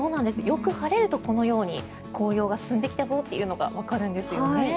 よく晴れると、このように紅葉が進んできたぞというのがわかるんです。